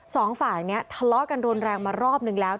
สองฝ่ายนี้ทะเลาะกันรุนแรงมารอบนึงแล้ว